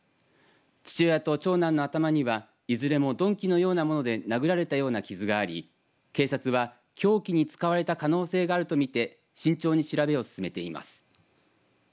父親と長男の頭にはいずれも鈍器のようなもので殴られたような傷があり警察は凶器に使われた可能性があると見て慎重に調べを進めています。